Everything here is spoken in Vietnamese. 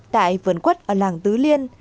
tại vườn quất ở làng tứ liên